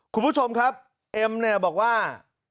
คุณผู้ชมครับเอ็มเนี่ยบอกว่า